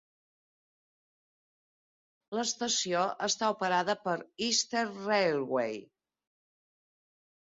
L'estació està operada per Eastern Railway.